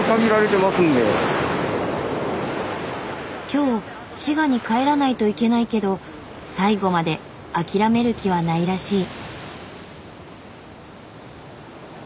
今日滋賀に帰らないといけないけど最後まで諦める気はないらしい。